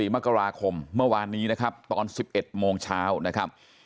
มกราคมเมื่อวานนี้นะครับตอน๑๑โมงเช้านะครับ